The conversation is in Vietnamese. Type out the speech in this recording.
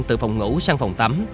từ phòng ngủ sang phòng tắm